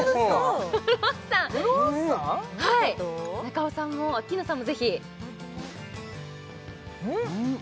中尾さんもアッキーナさんもぜひうん？